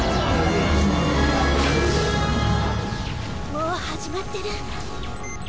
もう始まってる。